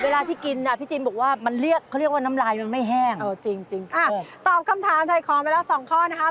เวลาที่กินที่จินบอกว่ามันเรียกน้ำลายไม่แห้ง